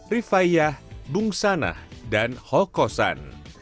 rifaiyah bungsanah dan hokosan